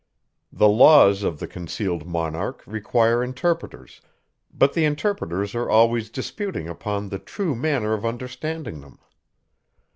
The laws of the concealed monarch require interpreters; but the interpreters are always disputing upon the true manner of understanding them.